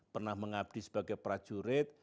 pernah mengabdi sebagai prajurit